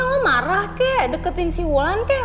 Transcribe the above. lo marah kek deketin si wulan kek